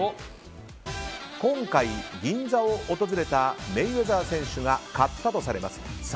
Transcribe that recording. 今回銀座を訪れたメイウェザー選手が買ったとされます